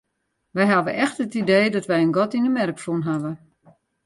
Wy hawwe echt it idee dat wy in gat yn 'e merk fûn hawwe.